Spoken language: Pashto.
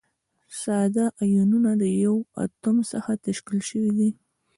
ساده ایونونه له یوه اتوم څخه تشکیل شوي دي.